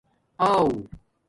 آݸ